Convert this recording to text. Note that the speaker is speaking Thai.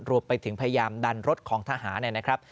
รวมไปถึงพยายามดันรถของทหารนะครับ